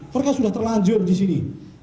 mereka sudah terlanjur di sini